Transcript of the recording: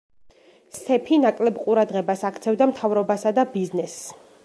სეფი ნაკლებ ყურადღებას აქცევდა მთავრობასა და ბიზნესს.